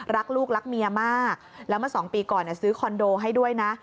รักลูกรักเมียมากแล้วเมื่อ๒ปีก่อนซื้อคอนโดให้ด้วยนะ